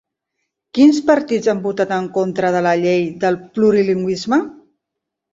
Quins partits han votat en contra de la llei del plurilingüisme?